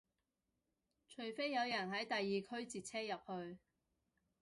除非有人喺第二區截車入去